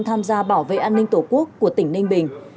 tham gia bảo vệ an ninh tổ quốc của tỉnh ninh bình